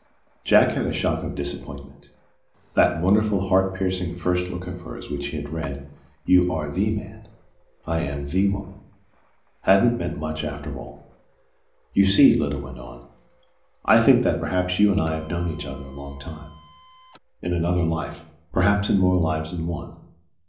Jack had a shock of disappointment. That wonderful, heart piercing first look of hers which he had read, "You are the man: I am the woman!" hadn't meant much after all. "You see," Lyda went on, "I think that perhaps you and I have known each other a long time: in another life: perhaps in more lives than one.